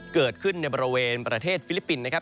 เกิดขึ้นในบริเวณประเทศฟิลิปปินส์นะครับ